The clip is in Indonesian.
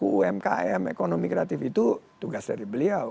harus turun menyapa pelaku umkm ekonomi kreatif itu tugas dari beliau